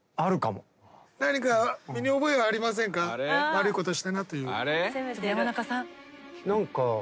「悪いことしたなという」